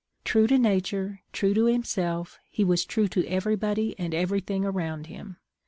True to nature, true to himself^ he was true to everybody and everything around him.